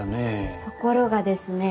ところがですね